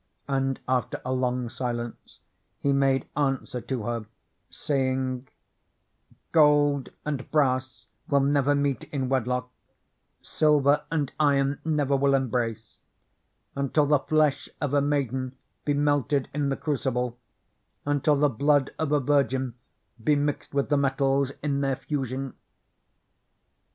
And after a long silence, he made answer to her, saying, "Gold and brass will never meet in wedlock, silver and iron never will embrace, until the flesh of a maiden be melted in the crucible; until the blood of a virgin be mixed with the metals in their fusion."